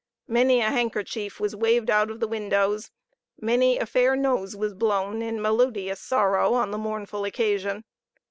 Many a handkerchief was waved out of the windows, many a fair nose was blown in melodious sorrow on the mournful occasion.